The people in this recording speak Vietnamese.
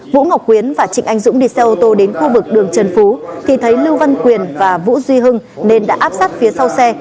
vũ ngọc quyến và trịnh anh dũng đi xe ô tô đến khu vực đường trần phú thì thấy lưu văn quyền và vũ duy hưng nên đã áp sát phía sau xe